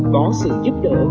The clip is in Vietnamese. có sự giúp đỡ